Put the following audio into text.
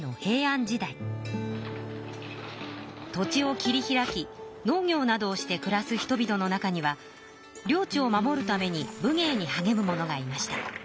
土地を切り開き農業などをしてくらす人々の中には領地を守るために武芸にはげむ者がいました。